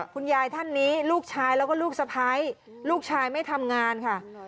คุณยายท่านนี้ลูกชายแล้วก็ลูกสะพ้ายลูกชายไม่ทำงานค่ะ